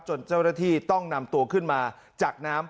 เจ้าหน้าที่ต้องนำตัวขึ้นมาจากน้ำ